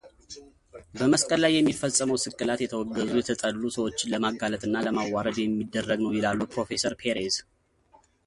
በመስቀል ላይ የሚፈጸመው ስቅላት የተወገዙ የተጠሉ ሰዎችን ለማጋለጥ እና ለማዋረድ የሚደረግ ነው ይላሉ ፕሮፌሰር ፔሬዝ።